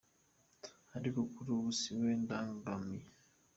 Ariko kuri ubu si we ndangamiye.